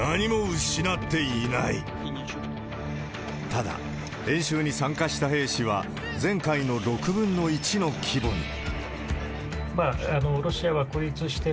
ただ、演習に参加した兵士は、前回の６分の１の規模に。